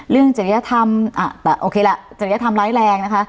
เรื่องเจริญธรรมอ่ะแต่โอเคล่ะเจริญธรรมร้ายแรงนะคะ